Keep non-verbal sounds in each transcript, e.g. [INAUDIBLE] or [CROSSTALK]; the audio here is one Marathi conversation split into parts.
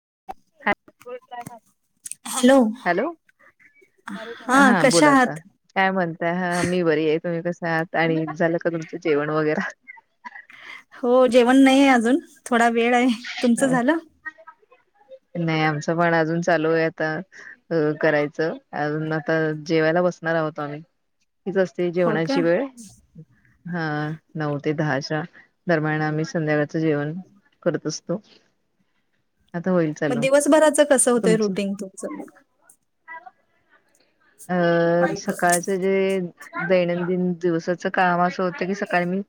[UNINTELLIGIBLE] हॅलो. हॅलो हा कशा बोला आता. आहात काय म्हणताय? मी बरी आहे तुम्ही कसं आहात आणि झालं का तुमचं जेवण वगैरा. हो जेवण नाही आहे अजून. थोडा वेळ आहे, तुमचं झालं? नाही आमचं पण अजून चालू आहे आता करायचं. अजून आता जेवाय बसणार आहोत आम्ही हीच असते हो का जेवणाची वेळ हा नऊ ते दहा. दम्यान आम्ही संध्याकाळचं जेवण करत असतो. आता होईल मग चालू दिवसभराच कसं होतंय तुमचं रुटीन तुमचं म अ सकाळच जे दैनंदिन दिवसाचं काम असं होतं की सकाळी मी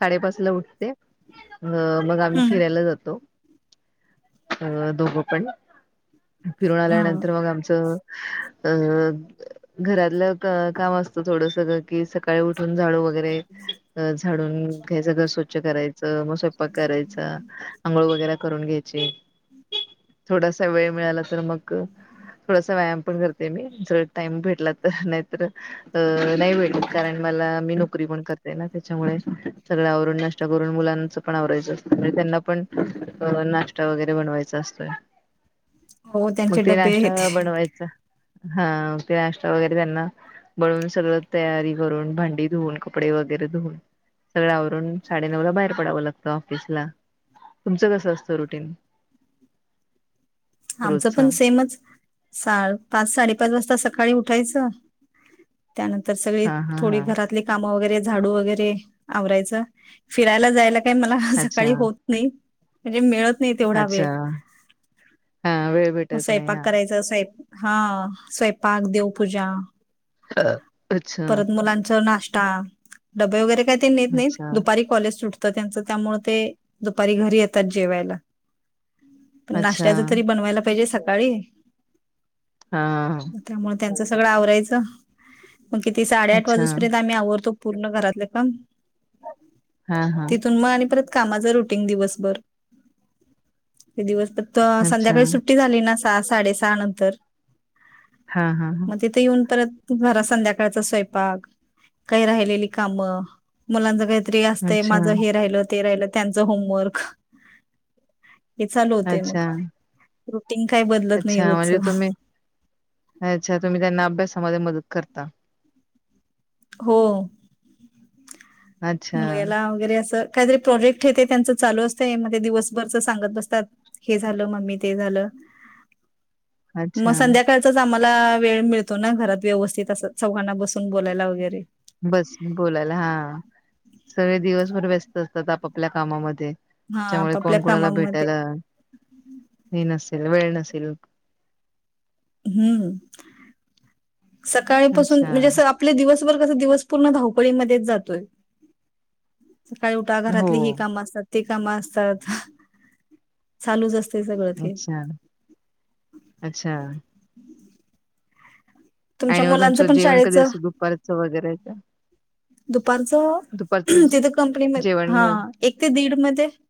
साडेपाच ला उठते. अ मग आम्ही हम्म फिरायला जातो अ दोघं पण. फिरून हा आल्यानंतर मग आमचं. घरातलं काम असतं थोडस. कि सकाळी उठून झाडू वगैरे झाडून घ्यायचं घर स्वच्छ करायचं मग स्वयंपाक कराय. करायचा आंघोळ वगैरे करून घ्यायची. हम् [INAUDIBLE] थोडासा वेळ मिळाला तर मग थोडासा व्यायाम पण करते मी जर टाईम भेटला तर नाहीतर अ नाही भेटत कारण मला मी नोकरी पण करतेय ना त्याच्यामुळे सगळ आवरून नाष्टा करून मुलांच पण आवरायचं असत म्हणजे त्यांना पण शवगैरे असत हो मग त्यांचे ते डबे नाष्टा आहेत बनवायचा हा. नाश्ता वगैरे त्यांना बनवून सगळं तयारी करून भांडी धुवून कपडे वगैरे धुवून सगळं आवरून साडेनऊ ला बाहेर पडावं लागतं ऑफिसला तुमचं कसं असतं रुटीन आमच रोजच पण सेमच पाच साडे पाच वाजता सकाळी सकाळी उठायचं त्यानंतर सगळी हा हा थोडी हा घरातली काम वगैरे झाडू वगैरे आवरायच फिरायला जायला काही मला अच्छा सकाळी होत नाही. म्हणजे मिळत नाही तेवढा वेळ अच्छा हा वेळ मग भेटत नाही स्वयंपाक हा करायच अस. हा स्वयंपाक देवपूजा अच्छा परत मुलांचा नाश्ता डबे वगैरे काय? ते नेत नाही अच्छा दुपारी कॉलेज सुटत. तर त्यांच त्यामुळे ते दुपारी घरी येतात जेवायला. पण अच्छा. नाश्त्याचं तरी बनवायला पाहिजे सकाळी हा ह. त्यांच सगळं आवरायचं मग किती साडे आठ अच्छा वाजूपर्यंत आम्ही आवरतो. पूर्ण घरातले काम हा हा तिथून मग आणि परत कामाच रुटीन दिवसभर दिवस अच्छा संध्याकाळी सुट्टी झाली ना. सहा साडे सहा नंतर हा हा हा मग तिथे येऊन परत. जरा संध्याकाळचा स्वयंपाक काही राहिलेली कामं मुलांच काही तरी असतय अच्छा माझं हे राहिल ते राहिल त्यांच होमवर्क हे चालू होतेय अच्छा मग रुटीन काही बदलत नाही अच्छा रोजचं म्हणजे तुम्ही अच्छा तुम्ही त्यांना अभ्यासामध्ये मदत करता. हो अच्छा मुलग्याला वगैरे अस. काहीतरी प्रोजेक्ट येते त्यांच चालू असतं म दिवसभरच सांगत बसतात हे झालं मम्मी ते झालं. अच्छा मग संध्याकाळचा आम्हाला वेळ मिळतो ना घरात व्यवस्थित अस चौघांना बसून बोलायला वगैरे. बस बोलायला हा सगळे दिवसभर व्यस्त असतात आपापल्या कामामध्ये हा त्यामुळे आपापल्या कोण कुणाला कामामध्ये भेटायला हे नसेल वेळ नसे. सिल्क हम् सकाळीपासून अच्छा म्हणजे आपले दिवस [UNINTELLIGIBLE] [UNINTELLIGIBLE] दिवस पूर्ण धावपळीमध्येच जातोय. सकाळी उठा हो घरातली ही कामं असतात ती कामं असतात चालूच असत अच्छा अच्छा. तुमच्या आणि मग मुलांचं तुमचं पण जेवण कधी शाळेचं असं दुपारचं वगैरे दुपारचं दुपारचं तिथे कंपनीमध्ये जेवण हा व एक ते दीड मध्ये [INAUDIBLE]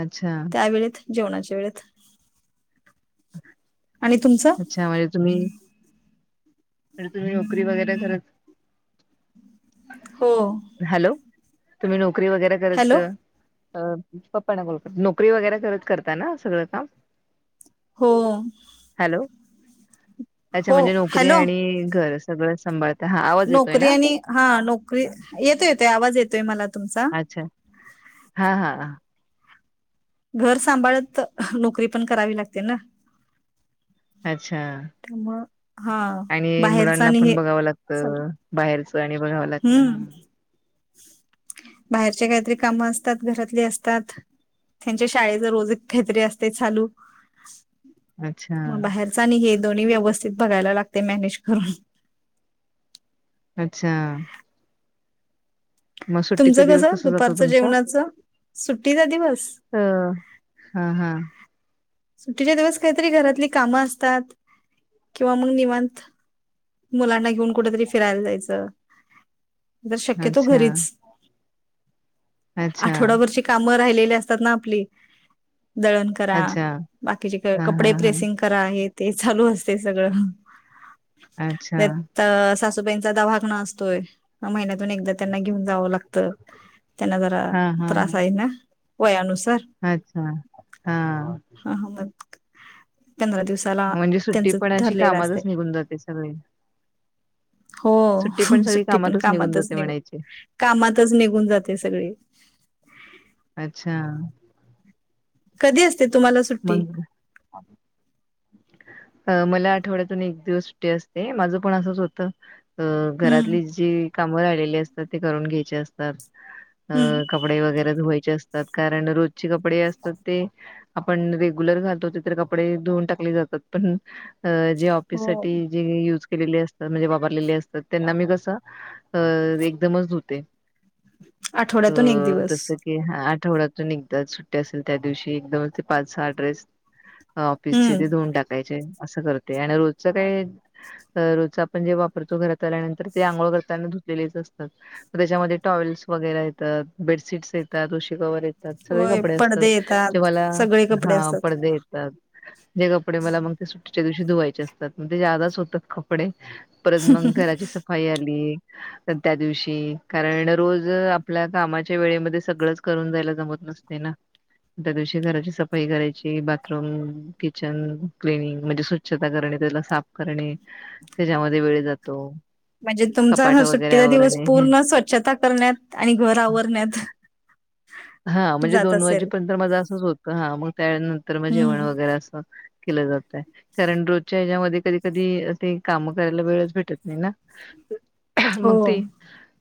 अच्छा! त्या वेळेत जेवणाच्या वेळेत आणि तुमचं अच्छा म्हणजे तुम्ही तुम्ही नोकरी वगैरे करत हो! हॅलो तुम्ही नोकरी वगैरे करत हॅलो अ पप्पाना बोल नोकरी वगैरे करत करताना सगळं काम हो! हॅलो अच्छा हो म्हणजे नोकरी हॅलो आणि घर सगळं संभाल नोकरी आणि हा नोकरी येतो येतोय आवाज येतोय मला तुमचा हा हा.. घर सांभाळत नोकरी पण करावी लागते ना. अच्छा! त्यामुळं हा आणि बाहेरचा मुलांना आणि पण हे बघावं लागत चालू. बाहेरच आणि बघाव लागतं हम्म बाहेरचे काहीतरी कामं असतात. घरातली असतात त्यांच्या शाळेच रोज काहीतरी असते चालू अच्छा, मग बाहेरचा निघेत दोन्ही व्यवस्थित बघायला लागते मॅनेज करून अच्छा! ! मग सुट्टीचा तुमचं दिवस कसं कसा जातो दुपारचं तुमचा? जेवणाचं सुट्टीचा दिवस अ हं, हं सुट्टीच्या दिवस काहीतरी घरातली कामं असतात. किंवा मग निवांत मुलांना घेऊन कुठेतरी फिरायला जायचं जर शक्यतो अच्छा, घरीच अच्छा, आठवड्या भरची काम राहिलेली असतात ना आपली.. दळण करा, अच्छा. बाकीचे का हां, कपडे हां, हां. प्रेसिंग करा हे ते चालू असते सगळं, अच्छा. त्यात सासू सासुबाईंचा दवाखाना असतय या महिन्या एकदा त्यांना घेऊन जाव लागत. त्यांना जरा हां, हां, त्रास हां. आहे ना वयानुसार अच्छा हा! हा, हा, मग पंधरा दिवसाला म्हणजे त्यांचं सुट्टीपण अशी ठरलेलं असते कामातच निघून जाते सगळे.. हो सुट्टी पण निघून कामातच जाते निघ म्हणायची. कामातच निघून जाते सगळी. अच्छा! कधी अस मंग अ म आठवड्यातून एक दिवस सुटे असते. माझं पण असंच होत हम्म घरातली जी काम राहिलेले असतात. ते करून घ्यायचे असतात. अ हम्म कपडे, वगैरे धुवायचे असतात. कारण रोजचे कपडे असतात. ते आपण रेग्युलर घालतो ते तर कपडे धुऊून टाकले जातात. पण अ जे ऑफिस हो साठी जे युज केलेले असतात म्हणजे वापरलेले असतात. त्यांना मी कसं अ एकदमच धुते आठवड्यातून एक अ दिवस जस की, ह आठवड्यातून एकदा सुट्टी असेल, त्या दिवशी एकदमच ते पाच सहाठ ड्रेस ऑफिसचे हम्म ते धुऊन टाकायचे असं करते. आणि रोजच काय! रोज आपण जे वापरतो घरात आल्यानंतर ते आंघोळ करताना धुतलेले असतात. त्याच्यामध्ये टॉवेल वगैरे येतात, बेडशीट्स, येतात उशी कवर, येतात सगळे होय कपडे असतात. पडदे येतात जेव्हाला सगळे कपडे हा असतात पडदे तर जे कपडे मला मग ते सुट्टीच्या दिवशी धुवायचे असतात मग ते जादाच होतात कपडे परत मग घराची सफाई आली पण त्या दिवशी कारण रोज आपल्या कामाच्या वेळेमध्ये सगळंच करून जायला जमत नसते ना. पण त्या दिवशी घराची सफा ई करायची, बाथरूम किचन क्लिनिंग म्हणजे स्वच्छता करणे, त्याला साफ करणे त्याच्यामध्ये वेळ जातो म्हणजे कपाट तुमचा वगैरे सुट्टीचा दिवस आवरणे हे. पूर्ण स्वच्छता करण्यात आणि घर आवरण्यात हा म्हणजे जात दोन असेल वाजेपर्यंत माझं असंच होतं हा मग त्या नंतर मग हम्म जेवण वगैरे असं केलं जात कारण रोजच्या ह्याच्यामध्ये कधी कधी ते काम करायला वेळच भेटत नाही ना. हो मग ते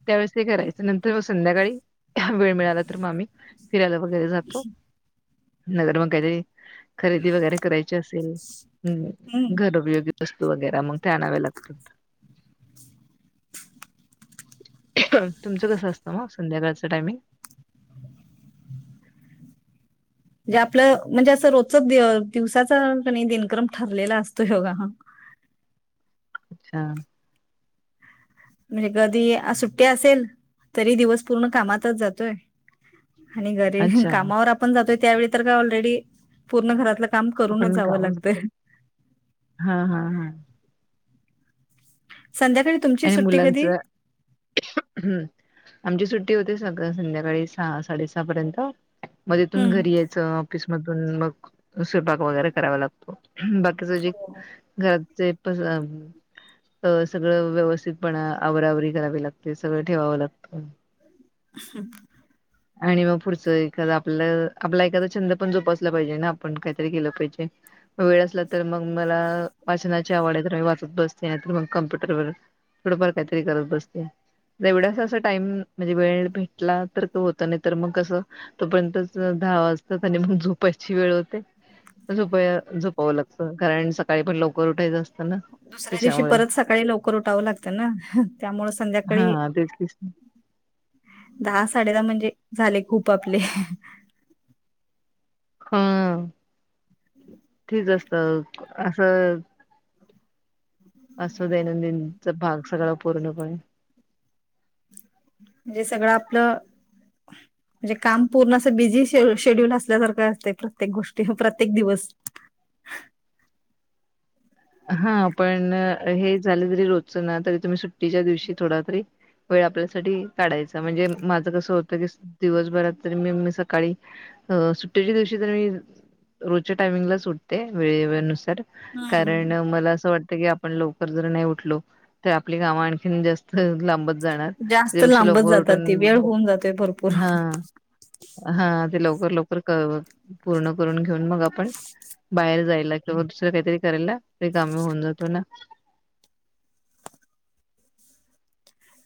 त्यावेळेस ते करायचं नंतर मग संध्याकाळी वेळ मिळाला तर आम्ही फिरायला वगैरे जातो [UNINTELLIGIBLE] खरेदी वगैरे करायची ची असेल, हम्म म्हणजे घरपयोगी वस्तू वगैरे मग ते आणाव्या लागतात तुमचं कसं असतं मग संध्याकाळच टायमिंग? [INAUDIBLE] जे आपलं म्हणजे असं रोजच दिवसाचा दिनक्रम ठरलेला असतो योगा ह अच्छा. म्हणजे कधी सुट्टी असेल तरी दिवस पूर्ण कामातच जातोय आणि जर अच्छा कामावर आपण जातोय त्यावेळी तर का ऑलरेडी पूर्ण घरातलं काम करूनच आपण का जावं लागत. हा हा हा तुमची आणि सुट्टी कधी? मुलांचं हम्म आमची सुट्टी होते साधारण संध्याकाळी सहा साडेसहा पर्यंत म तिथून हं. घरी यायचं ऑफिसमधून मग म स्वयंपाक वगैरे करावा लागतो बाकीच जे हो. घरात [UNINTELLIGIBLE] सगळं व्यवस्थितपणा आवराआवरी करावी लागते, सगळं ठेवावं लागतं [INAUDIBLE] आणि मग पुढचं एखादा आपलं आपला एखादा छंद पण जोपासला पाहिजे ना आपण काहीतरी केलं पाहिजे वेळ असला तर मग मला वाचनाची आवड आहे, खर मी वाच त बसते नाहीतर मग कम्प्युटर वर थोडंफार काहीतरी करत बसते एवढा असा टाईम म्हणजे वेळ भेटला तर तो मग कस तोपर्यंत दहा वाजतात आणि मग झोपायची वेळ होते [UNINTELLIGIBLE] झोपावं लागतं कारण सकाळी पण लवकर उठायचं असतं ना. दुसऱ्या दिवशी त्याच्यामुळे परत सकाळी लवकर उठावं लागतं ना त्यामुळे संध्याकाळी [INAUDIBLE] दहा साडे दहा म्हणजे झाले खूप आपले हा. ठीक असत असं असं दैनंदिनचा भाग सगळा पूर्णपणे. म्हणजे सगळं आपलं म्हणजे काम पूर्ण असं बिझी शेड्यूल असल्यासारखं असते प्रत्येक गोष्टी प्रत्येक दिवस हा, पण हे झालं जरी रोजच ना तरी तुम्ही सुट्टीच्या दिवशी थोडा तरी वेळ आपल्यासाठी काढायचा म्हणजे माझं कसं होत [UNINTELLIGIBLE] दिवसभरात तर मी सकाळी अ सुट्टीच्या दिवशी तरी रोजच्या टायमिंगला सुटते वेळेवर नुसार हं. मला अस वाटत की आपण लवकर जर नाही उठलो तर आपली काम आणखी जास्त ला ब जाणार जास्त त्यापेक्षा लांबत लवकर जातात उठून, ते वेळ होऊन जातोय भरपूर. हा हा ते लवक कर लवकर कराव, पूर्ण करून घेऊन मग आपण बाहेर जायला किंवा दुसंर काहीतरी करायला ते काम होऊन जातो ना.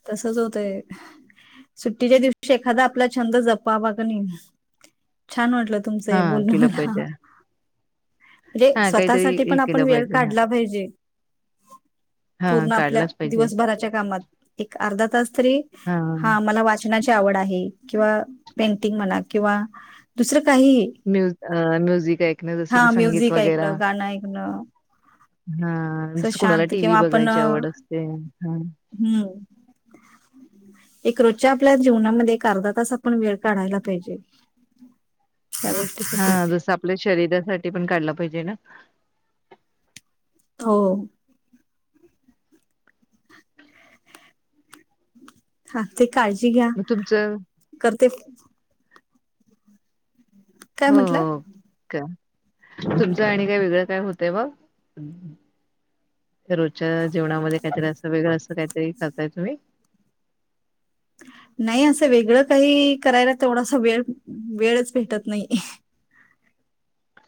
तसच होतंय. सुट्टीच्या दिवशी एखादा आपला छंद जपावा का नाही. छान वाटलं हा तुमचं बोलणं केलं मला. पाहिजे जे हा स्वतः काहीतरी साठी हे पण आपण केलं वेळ पाहिजे हा काढला पाहिजे. हा पूर्ण आपल्या काढलाच पाहिजे दिवसभराच्या कामात. एक अर्धा तास तरी, हा मला वा वाचनाची आवड आहे. किंवा पेंटिंग म्हणा किंवा दुसरं काही म म्युझिक ऐकणे. जसं की हा संगीत म्युझिक वगैरा. ऐकणं गाणं ऐकणं असं हा कुणाला शांत टी. व्ही किंवा आपण बघायची आवड हम्म असते. हा. एक. रोजच्या आपल्या जीवनामध्ये. एक अर्धा तास. आपण वेळ काढायला पाहिजे. त्या हा गोष्टीसाठी जसं आपल्या शरीरासाठी पण काढलं पाहिजे ना? हो. हा ते काळजी घ्या मग तुमचं करते फोन. हो. म्हटलं हो. का. तुमचं आणि काही वेगळं काय होतंय मग. रोजच्या जेवणामध्ये काहीतरी असं वेगळं असं. काहीतरी करताय तुम्ही? ह [UNINTELLIGIBLE] नाही असं वेगळं काही करायला तेवडासा वेळ. वेळच भेटत नाही.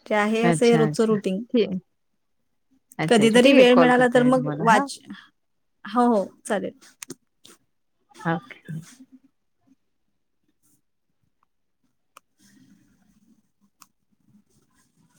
ते आहे असं अच्छा रोजचं अच्छा रुटींग. ठीक अच्छा अच्छा कधीतरी ठीक आहे वेळ कॉल मिळाला तर करते मी मग तुम्हाला हा वाच हो. हो चालेल. हा.